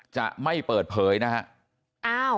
จะไม่เปิดเผยนะครับ